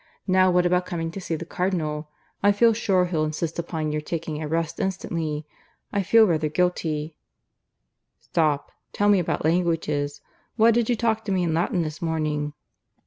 Now what about coming to see the Cardinal? I feel sure he'll insist upon your taking a rest instantly. I feel rather guilty " "Stop. Tell me about languages. Why did you talk to me in Latin this morning?"